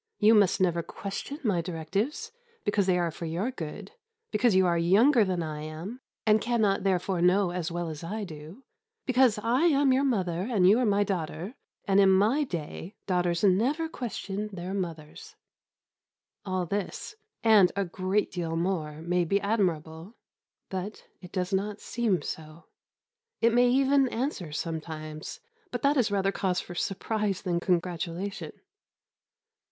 You must never question my directions, because they are for your good; because you are younger than I am, and cannot therefore know as well as I do; because I am your mother and you are my daughter; and, in my day, daughters never questioned their mothers." All this, and a great deal more, may be admirable; but it does not seem so. It may even answer sometimes; but that is rather cause for surprise than congratulation.